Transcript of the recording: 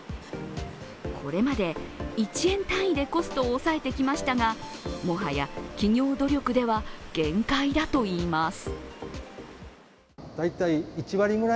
これまで１円単位でコストを抑えてきましたが、もはや企業努力では限界だといいます。